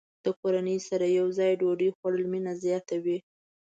د کورنۍ سره یوځای ډوډۍ خوړل مینه زیاته وي.